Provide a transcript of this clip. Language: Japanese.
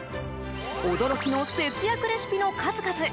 驚きの節約レシピの数々。